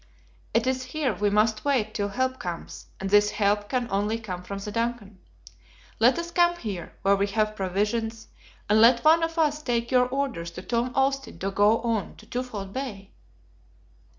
It is here we must wait till help comes, and this help can only come from the DUNCAN. Let us camp here, where we have provisions, and let one of us take your orders to Tom Austin to go on to Twofold Bay."